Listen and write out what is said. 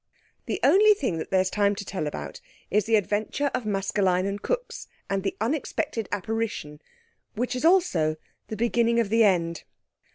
The only thing that there's time to tell about is the Adventure of Maskelyne and Cooke's, and the Unexpected Apparition—which is also the beginning of the end.